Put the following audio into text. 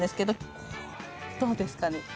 どうですかね？